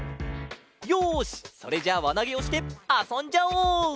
よしそれじゃあわなげをしてあそんじゃおう！